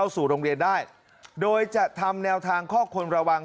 สู่โรงเรียนได้โดยจะทำแนวทางข้อคนระวัง